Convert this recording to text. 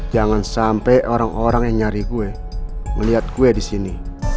jangan sampai orang orang yang nyari gue melihat kue di sini